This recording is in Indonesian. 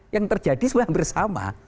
yang terjadi selama bersama